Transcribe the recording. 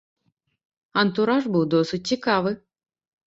Антураж быў досыць цікавы.